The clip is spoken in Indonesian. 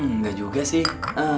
enggak juga sih